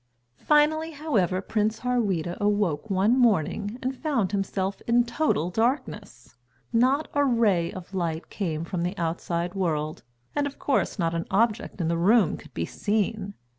Finally, however, Prince Harweda awoke one morning and found himself in total darkness. Not a ray of light came from the outside world, and, of course, not an object in the room could be seen.